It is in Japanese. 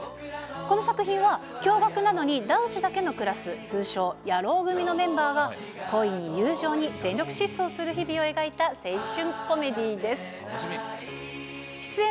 この作品は、共学なのに、男子だけのクラス、通称、野郎組のメンバーが恋に友情に、全力疾走する日々を描いた青春コメディーです。